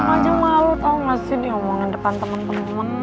iya sama aja malu tau gak sih diomongin depan temen temen